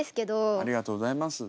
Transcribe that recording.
ありがとうございます。